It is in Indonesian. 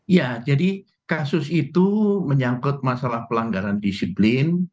ya jadi kasus itu menyangkut masalah pelanggaran disiplin